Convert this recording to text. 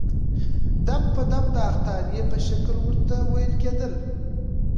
دم په دم د اخطارې په شکل ورته وويل کېدل.